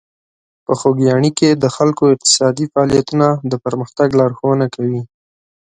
په خوږیاڼي کې د خلکو اقتصادي فعالیتونه د پرمختګ لارښوونه کوي.